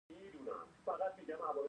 ایا ستاسو رنګ به زیړیږي؟